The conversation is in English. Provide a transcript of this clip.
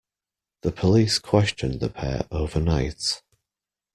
The police questioned the pair overnight